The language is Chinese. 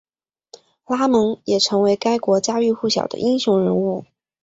拉蒙也成为该国家喻户晓的英雄人物。